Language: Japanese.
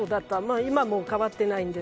今も変わってないです。